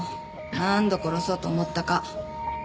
何度殺そうと思ったか。